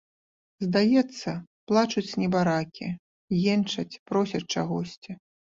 Здаецца, плачуць небаракі, енчаць, просяць чагосьці.